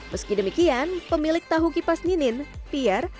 meski demikian pemilik tahu kipas ninin pier